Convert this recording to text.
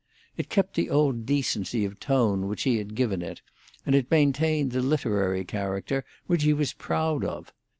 It kept the old decency of tone which he had given it, and it maintained the literary character which he was proud of.